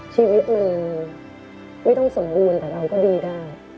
ชีวิตมันไม่ต้องสมบูรณ์แต่เราก็ดีได้